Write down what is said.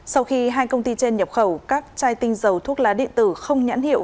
sau khi hai công ty trên nhập khẩu các chai tinh dầu thuốc lá điện tử không nhãn hiệu